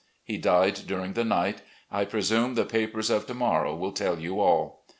He died during the night. I presume the papers of to morrow will tell you all. .